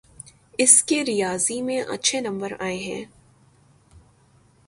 اس کے ریاضی میں اچھے نمبر آئے ہیں